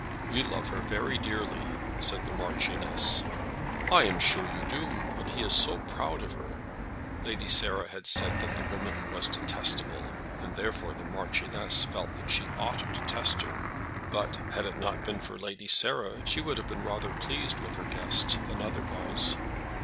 "We love her very dearly," said the Marchioness. "I am sure you do. And he is so proud of her!" Lady Sarah had said that the woman was detestable, and therefore the Marchioness felt that she ought to detest her. But, had it not been for Lady Sarah, she would have been rather pleased with her guest than otherwise.